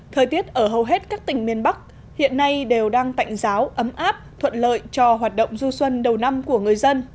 thời tiết ở hầu hết các tỉnh miền bắc hiện nay đều đang tạnh giáo ấm áp thuận lợi cho hoạt động du xuân đầu năm của người dân